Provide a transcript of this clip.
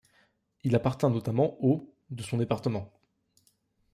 Il appartint notamment aux de son département.